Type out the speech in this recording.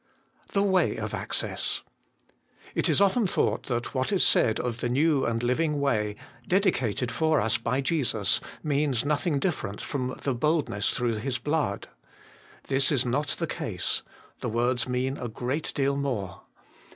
The way of access. It is often thought that what is said of the new and living way, dedicated for us by Jesus, means nothing different from the boldness through His blood. This is not the case. The words mean a great deal more.